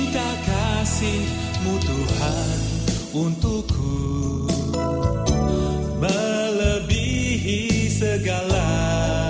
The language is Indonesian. dari tep representasi jawab brown